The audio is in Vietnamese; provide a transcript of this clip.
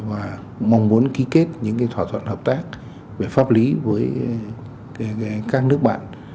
và mong muốn ký kết những thỏa thuận hợp tác về pháp lý với các nước bạn